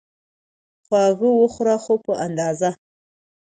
خواږه وخوره، خو په اندازه